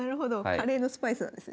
カレーのスパイスなんですね